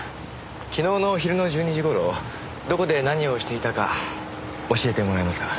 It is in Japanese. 昨日の昼の１２時頃どこで何をしていたか教えてもらえますか？